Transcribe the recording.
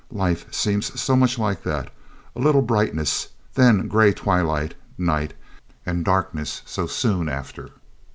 Life seems so much like that a little brightness, then gray twilight, night and darkness so soon after.'